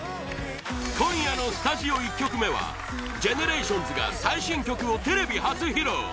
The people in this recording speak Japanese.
今夜のスタジオ１曲目はＧＥＮＥＲＡＴＩＯＮＳが最新曲をテレビ初披露！